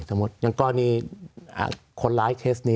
สวัสดีครับทุกคน